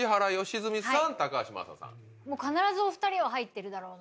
必ずお２人は入ってるだろうな。